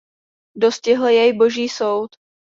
Dostihl jej boží soud.